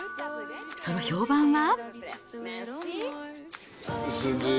その評判は？